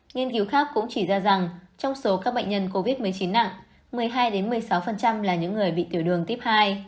nghiên cứu khác cũng chỉ ra rằng trong số các bệnh nhân covid một mươi chín nặng một mươi hai một mươi sáu là những người bị tiểu đường tuyếp hai